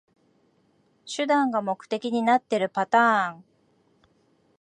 手段が目的になってるパターン